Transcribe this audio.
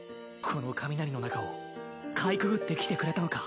この雷の中をかいくぐってきてくれたのか。